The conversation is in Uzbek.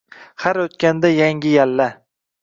Har oʼtganda yangi yalla.